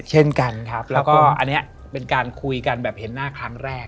เช่นกันครับแล้วก็อันนี้เป็นการคุยกันแบบเห็นหน้าครั้งแรก